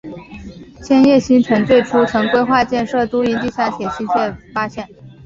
千叶新城最初曾规划建设都营地下铁新宿线本八幡站至此站的北千叶线。